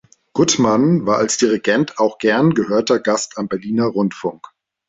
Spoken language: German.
Guttmann war als Dirigent auch gern gehörter Gast am Berliner Rundfunk.